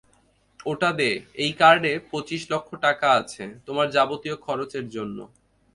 ওটা দে এই কার্ডে পঁচিশ লক্ষ টাকা আছে তোমার যাবতীয় খরচের জন্যে।